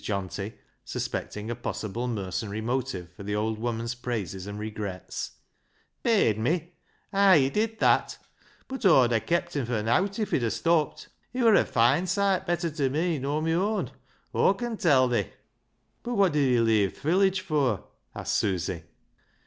Johnty, suspecting a possible mercenary motive for the old woman's praises and regrets. " Paid me ! Ay, he did that ! Bud Aw'd ha' kept him fur nowt if he'd ha' stopped. He wur a foine soight better tew me nor me own, Aw con tell thi." " Bud wot did he leeave th' village fur ?" asked Susy.